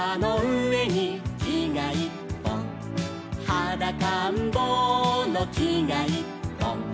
「はだかんぼうのきがいっぽん」